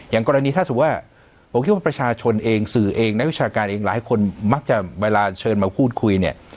อย่างกรณีถ้าสมมุติว่าผมคิดว่าประชาชนเองสื่อเองนักวิชาการเองหลายคนมักจะเวลาเชิญมาพูดคุยเนี่ย